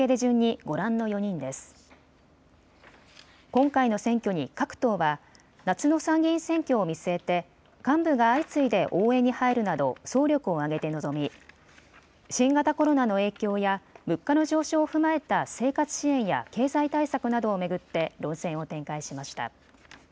今回の選挙に各党は夏の参議院選挙を見据えて幹部が相次いで応援に入るなど総力を挙げて臨み新型コロナの影響や物価の上昇を踏まえた生活支援や経済対策などを巡って論戦を展開しました。